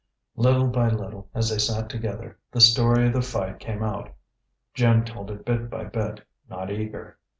Little by little, as they sat together, the story of the fight came out. Jim told it bit by bit, not eager.